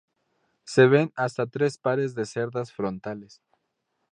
Se ven hasta tres pares de cerdas frontales.